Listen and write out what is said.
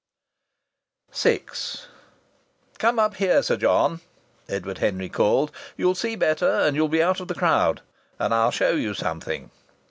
VI "Come up here, Sir John," Edward Henry called. "You'll see better, and you'll be out of the crowd. And I'll show you something."